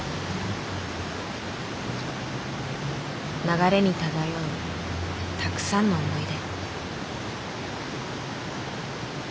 流れに漂うたくさんの思い出。